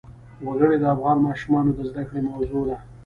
وګړي د افغان ماشومانو د زده کړې موضوع ده.